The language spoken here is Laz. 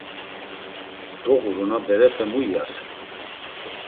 Doğuru na, berepe mu iyasen?